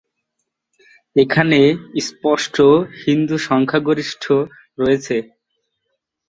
এখানে স্পষ্ট হিন্দু সংখ্যাগরিষ্ঠ রয়েছে।